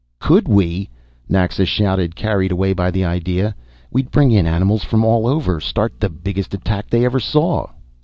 "Could we!" Naxa shouted, carried away by the idea. "We'd bring in animals from all over, start th'biggest attack they ev'r saw!"